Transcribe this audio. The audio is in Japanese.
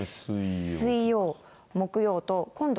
水曜、木曜と、今度、